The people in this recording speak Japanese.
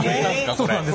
そうなんです。